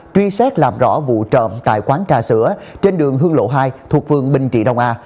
truy xét làm rõ vụ trộm tại quán trà sữa trên đường hương lộ hai thuộc phường bình trị đông a